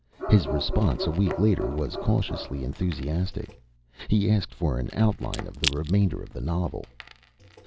His response, a week later, was cautiously enthusiastic. He asked for an outline of the remainder of the novel.